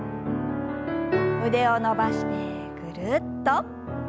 腕を伸ばしてぐるっと。